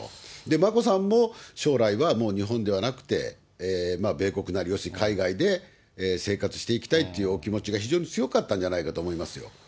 眞子さんも、将来はもう日本ではなくて、米国なり、要するに海外で生活していきたいっていうお気持ちが非常に強かったんだと思いますよ。